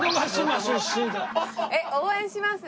えっ応援します。